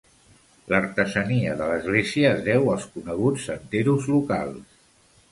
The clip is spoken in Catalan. L'artesania de l'església es deu als coneguts Santeros locals.